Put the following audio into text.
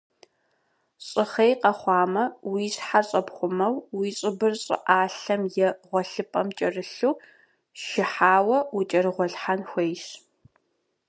Щӏыхъей къэхъуамэ, уи щхьэр щӏэпхъумэу, уи щӏыбыр щӏыӏалъэм е гъуэлъыпӏэм кӏэрылъу, шыхьауэ укӏэрыгъуэлъхьэн хуейщ.